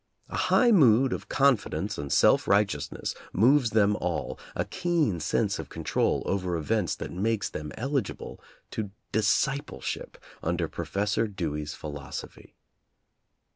A high mood of confidence and self right eousness moves them all, a keen sense of control over events that makes them eligible to disciple ship under Professor Dewey's philosophy.